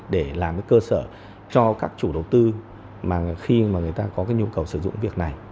để làm cái cơ sở cho các chủ đầu tư mà khi mà người ta có cái nhu cầu sử dụng việc này